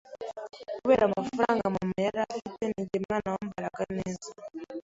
kubera amafaranga mama yari afite ninjye mwana wambaraga neza